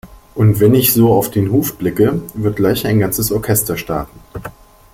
Und wenn ich so auf den Hof blicke, wird gleich ein ganzes Orchester starten.